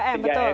oh tiga m betul